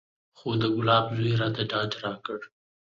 خو د ګلاب زوى راته ډاډ راکړ.